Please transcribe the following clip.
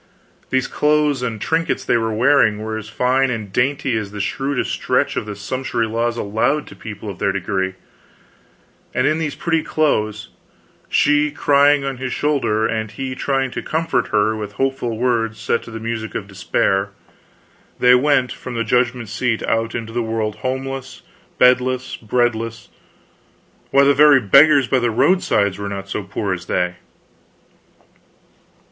These clothes and trinkets they were wearing were as fine and dainty as the shrewdest stretch of the sumptuary laws allowed to people of their degree; and in these pretty clothes, she crying on his shoulder, and he trying to comfort her with hopeful words set to the music of despair, they went from the judgment seat out into the world homeless, bedless, breadless; why, the very beggars by the roadsides were not so poor as they.